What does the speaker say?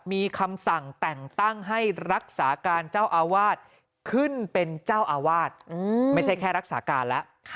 มีคำสั่งแต่งตั้งให้รักษาการเจ้าอาวาสขึ้นเป็นเจ้าอาวาสไม่ใช่แค่รักษาการแล้ว